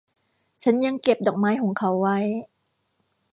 ฉันยังเก็บดอกไม้ของเขาไว้